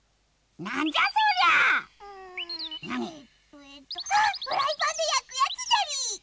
えっとあっフライパンでやくやつじゃりー！